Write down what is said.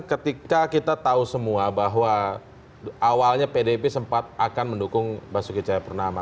ketika kita tahu semua bahwa awalnya pdip sempat akan mendukung basuki cahayapurnama